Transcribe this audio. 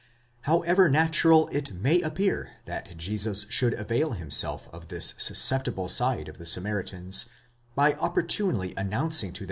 _ However natural it may appear that Jesus should avail himself of this susceptible side of the Samaritans, by opportunely announcing to them the 1 Antiq.